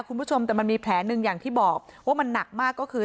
คุณผู้ชมแต่มันมีแผลหนึ่งอย่างที่บอกว่ามันหนักมากก็คือ